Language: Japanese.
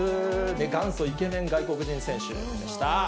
元祖イケメン外国人選手でした。